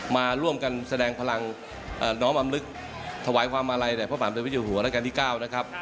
มาร่วมกันแสดงพลังน้องอำนึกถวายความมาลัยพระบาทมันเป็นวิจิโอหัวรัฐการที่๙